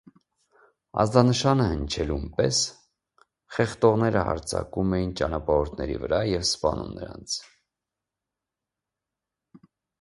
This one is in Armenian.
Ազդանշանը հնչելուն պես խեղդողները հարձակվում էին ճանապարհորդների վրա և սպանում նրանց։